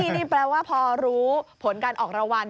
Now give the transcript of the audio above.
นี่แปลว่าพอรู้ผลการออกรางวัล